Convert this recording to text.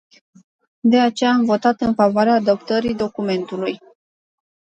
De aceea am votat în favoarea adoptării documentului.